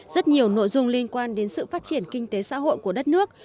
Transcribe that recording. rất nhiều nội dung liên quan đến sự phát triển kinh tế xã hội của đất nước